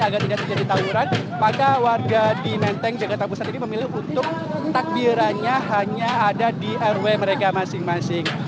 agar tidak terjadi tawuran maka warga di menteng jakarta pusat ini memilih untuk takbirannya hanya ada di rw mereka masing masing